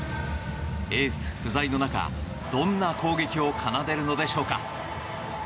エース不在の中、どんな攻撃を奏でるのでしょうか。